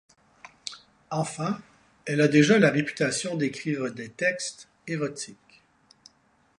Enfant, elle a déjà la réputation d'écrire des textes érotiques.